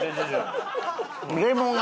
レモンが！